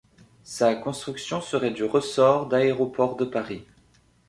Sa construction serait du ressort d'Aéroports de Paris.